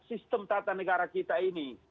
sistem tata negara kita ini